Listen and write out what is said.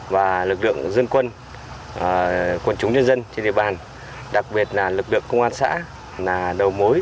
và lực lượng dân quân chúng nhân dân trên địa bàn đặc biệt là lực lượng công an xã là đầu mối